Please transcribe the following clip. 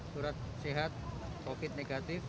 surat sehat covid negatif